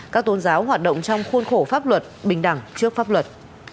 các tôn giáo hoạt động trong khuôn khổ pháp luật bình đẳng trước pháp luật